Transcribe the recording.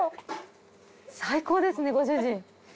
最高ですねご主人。